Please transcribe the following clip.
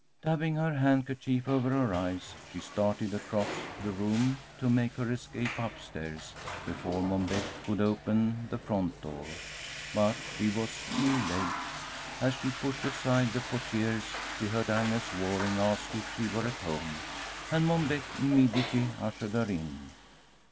Dabbing her handkerchief over her eyes, she started across the room to make her escape up stairs before Mom Beck could open the front door. But she was too late. As she pushed aside the portières, she heard Agnes Waring ask if she were at home, and Mom Beck immediately ushered her in.